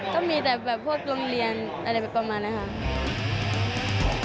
ก็มีแต่พวกโรงเรียนอะไรเป็นประมาณนะครับ